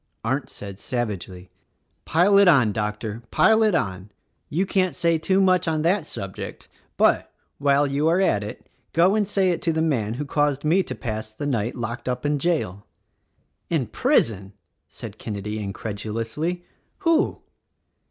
Arndt said savagely, "Pile it on, Doctor, , pile it on! You can't say too much on that subject; but, while you are at it, go and say it to the man who caused me to pass the night locked up in jail." "In prison!" said Kenedy incredulously. "Who?"